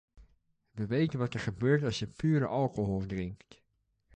We weten wat er gebeurt als je pure alcohol drinkt.